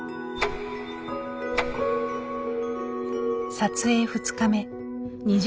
撮影２日目。